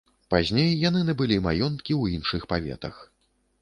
Пазней яны набылі маёнткі ў іншых паветах.